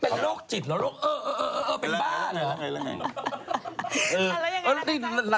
เป็นโรคจิตเหรอเป็นบ้าเหรอ